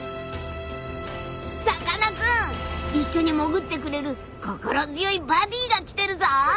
さかなクン一緒に潜ってくれる心強いバディーが来てるぞ！